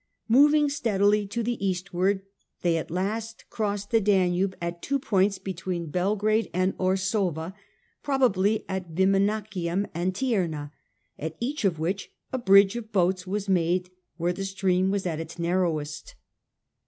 Moving steadily to the eastward they at last crossed the Danube at two points between Belgrade and Orsova, probably at Viminacium and Tierna, at each of which a bridge of boats was made where the stream was at its narrowest.